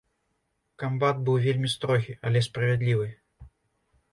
Камбат быў вельмі строгі, але справядлівы.